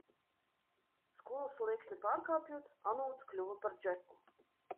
Skolas slieksni pārkāpjot, Anūts kļuva par Džeku.